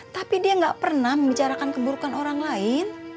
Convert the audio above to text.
tapi dia nggak pernah membicarakan keburukan orang lain